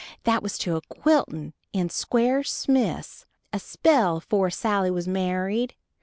That was to a quiltin' to Squire Smith's a spell afore Sally was married.